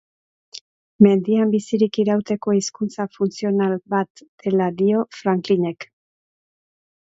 Mendian bizirik irauteko hizkuntza funtzional bat dela dio Franklinek.